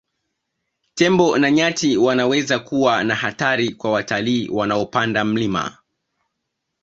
Tembo na nyati wanaweza kuwa na hatari kwa watalii wanaopanda mlima